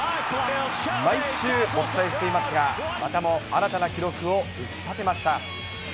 毎週お伝えしていますが、またも新たな記録を打ち立てました。